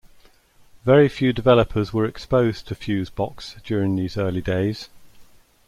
Very few developers were exposed to Fusebox during these early days.